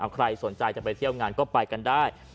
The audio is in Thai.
ใครสนใจจะไปเที่ยวงานก็ไปกันได้